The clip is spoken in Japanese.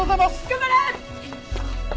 頑張れ！